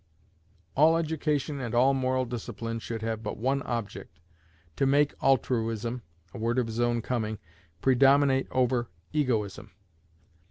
All education and all moral discipline should have but one object, to make altruism (a word of his own coming) predominate over egoism.